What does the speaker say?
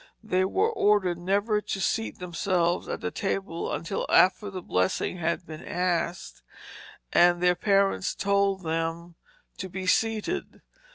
They were ordered never to seat themselves at the table until after the blessing had been asked, and their parents told them to be seated.